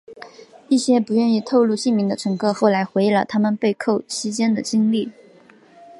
一些不愿透露姓名的乘客后来回忆了他们被扣期间的经历。